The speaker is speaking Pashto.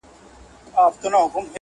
احمدشاه بابا په ځوانۍ کي